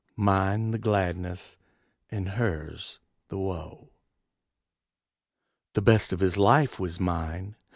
Mine the gladness and hers the woe. The best of his life was mine.